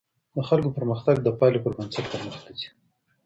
د خلګو پرمختګ د پایلو پر بنسټ پرمخته ځي.